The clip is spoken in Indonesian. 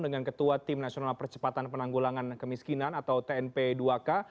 dengan ketua tim nasional percepatan penanggulangan kemiskinan atau tnp dua k